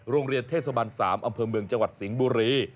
โรงเรียนเทศบัน๓อำเภอเมืองจังหวัดสิงห์บุรี